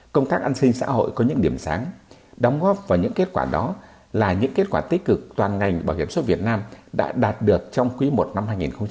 công tác an sinh xã hội có những điểm sáng đóng góp vào những kết quả đó là những kết quả tích cực toàn ngành bảo hiểm xuất việt nam đã đạt được trong quý i năm hai nghìn hai mươi